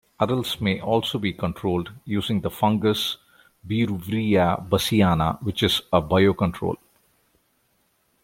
Adults may also be controlled using the fungus "Beauveria bassiana", which is a biocontrol.